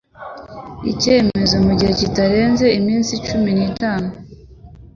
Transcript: icyemezo mu gihe kitarenze iminsi cumi n itanu